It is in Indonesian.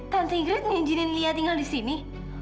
tante ingrid mau izinkan lia tinggal di sini